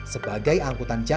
sebagai angka kemampuan kereta api